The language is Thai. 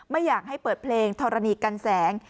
ไม่อยากให้เปิดเพลงธรณีกันแสง